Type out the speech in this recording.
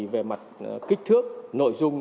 về mặt kích thước nội dung